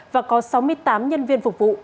và có sáu mươi tám nhân viên phục vụ